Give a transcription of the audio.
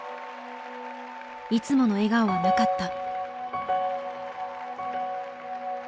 いつもの笑顔はなかった。